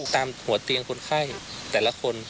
ตามหัวเตียงคนไข้แต่ละคน